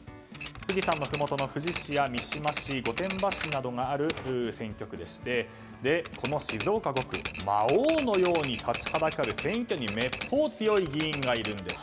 富士山のふもとの富士市や三島市御殿場市などがある選挙区でしてこの静岡５区魔王のように立ちはだかる選挙にめっぽう強い議員がいるんです。